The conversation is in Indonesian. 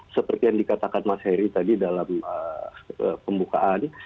seperti yang dikatakan mas heri tadi dalam pembukaan